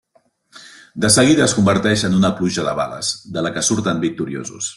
De seguida es converteix en una pluja de bales de la que surten victoriosos.